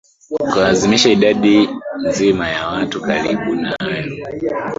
kuanzisha idadi nzima ya watu karibu nayo